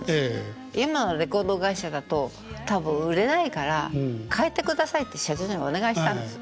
今のレコード会社だと多分売れないから替えてくださいって社長さんにお願いしたんです。